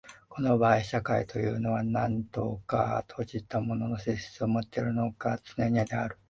この場合社会というのは何等か閉じたものの性質をもっているのがつねである。